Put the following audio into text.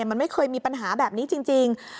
มันไม่เคยมีปัญหาแบบนี้จริง